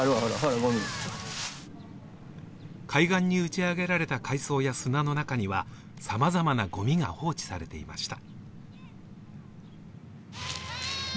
海岸に打ち上げられた海草や砂の中には、様々なごみが放置されていました。